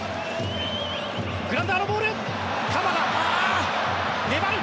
グラウンダーのボール粘る。